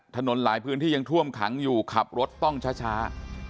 หลายพื้นที่ยังท่วมขังอยู่ขับรถต้องช้า